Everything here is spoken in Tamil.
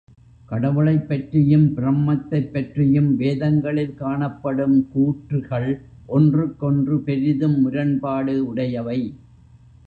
கடவுளைப் பற்றியும் பிரம்மத்தைப் பற்றியும் வேதங்களில் காணப்படும் கூற்றுகள் ஒன்றுக்கொன்று பெரிதும் முரண்பாடு உடையவை.